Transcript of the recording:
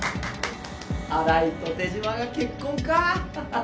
荒井と手嶋が結婚かぁ。